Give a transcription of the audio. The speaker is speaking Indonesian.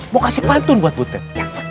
mau kasih pantun buat butet